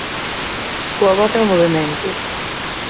Coa voz e o movemento.